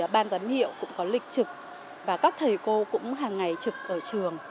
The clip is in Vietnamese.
ban giám hiệu cũng có lịch trực và các thầy cô cũng hàng ngày trực ở trường